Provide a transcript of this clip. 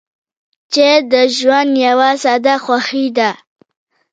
چای د ژوند یوه ساده خوښي ده.